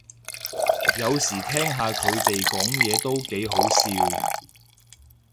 有時聽下佢哋講嘢都幾好笑